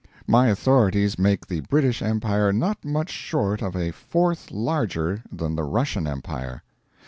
My authorities make the British Empire not much short of a fourth larger than the Russian Empire.